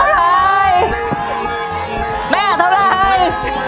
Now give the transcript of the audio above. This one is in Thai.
เท่าไร